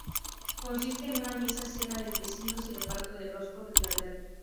Consiste en una Misa, cena de los vecinos y reparto de roscos de caridad.